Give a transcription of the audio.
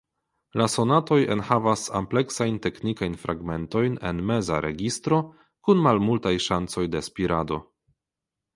La sonatoj enhavas ampleksajn teknikajn fragmentojn en meza registro kun malmultaj ŝancoj de spirado.